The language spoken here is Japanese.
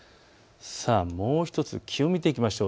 もう１つ気温を見ていきましょう。